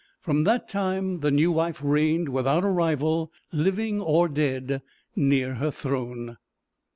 From that time the new wife reigned without a rival, living or dead, near her throne.